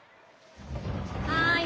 はい。